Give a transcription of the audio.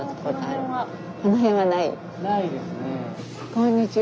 こんにちは。